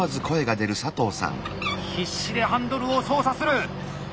必死でハンドルを操作する。